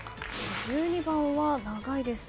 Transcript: １２番は長いです